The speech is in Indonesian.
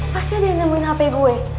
pasti ada yang nemuin hp gue